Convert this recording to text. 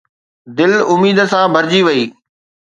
دل اميد سان ڀرجي وئي